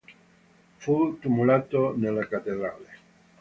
Fu tumulato nella Cattedrale.